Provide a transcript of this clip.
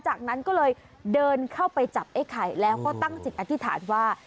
จากนั้นก็เลยเดินเข้าไปจับไอ้ไข่แล้วก็ตั้งจิตอธิษฐานว่า